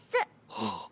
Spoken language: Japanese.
はあ。